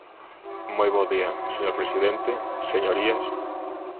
Moi bo día, señor presidente, señorías.